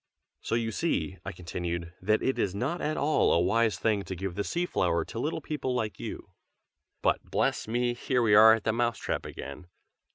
"So you see," I continued, "that it is not at all a wise thing to give the sea flower to little people like you. But, bless me! here we are at the Mouse trap again.